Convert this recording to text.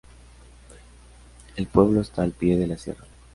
El pueblo está al pie de la sierra.